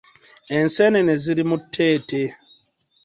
Enseenene ziri mu tteete.